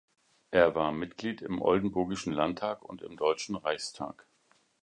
Er war Mitglied im Oldenburgischen Landtag und im Deutschen Reichstag.